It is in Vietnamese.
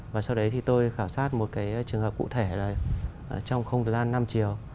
và sau đấy thì tôi khảo sát một cái trường hợp cụ thể là trong không gian năm chiều